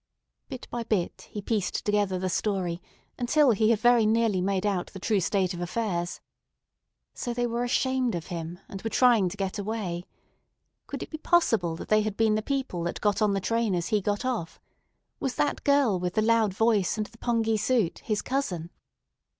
Bit by bit he pieced together the story until he had very nearly made out the true state of affairs. So they were ashamed of him, and were trying to get away. Could it be possible that they had been the people that got on the train as he got off? Was that girl with the loud voice and the pongee suit his cousin?